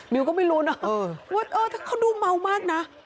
ิวก็ไม่รู้นะว่าเออถ้าเขาดูเมามากนะ